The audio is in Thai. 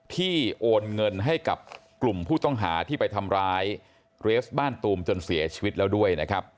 โอนเงินให้กับกลุ่มผู้ต้องหาที่ไปทำร้ายเรสบ้านตูมจนเสียชีวิตแล้วด้วยนะครับ